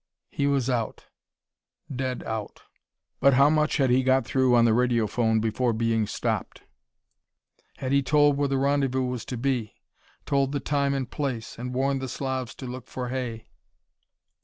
He was out. Dead out. But how much had he got through on the radiophone before being stopped? Had he told where the rendezvous, was to be? Told the time and place, and warned the Slavs to look for Hay?